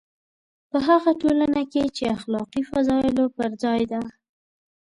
په هغه ټولنه کې چې اخلاقي فضایلو پر ځای ده.